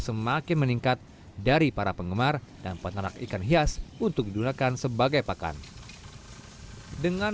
semakin meningkat dari para penggemar dan peternak ikan hias untuk digunakan sebagai pakan dengan